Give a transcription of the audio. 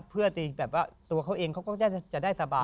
เพื่อตัวเขาเองเขาก็จะได้สบาย